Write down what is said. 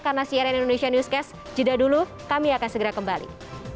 karena crn indonesia newscast jeda dulu kami akan segera kembali